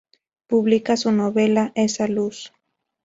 Publica su novela "Esa luz".